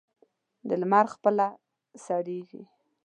د لمر خپله سړېږي.